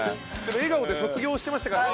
笑顔で卒業してましたからね。